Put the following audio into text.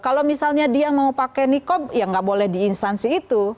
kalau misalnya dia mau pakai nikob ya nggak boleh di instansi itu